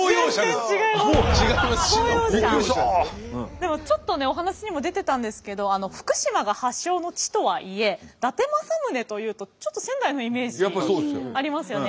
でもちょっとねお話にも出てたんですけど福島が発祥の地とはいえ伊達政宗というとちょっと仙台のイメージありますよね。